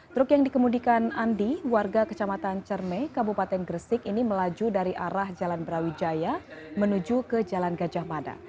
truk yang dikemudikan andi warga kecamatan cerme kabupaten gresik ini melaju dari arah jalan brawijaya menuju ke jalan gajah mada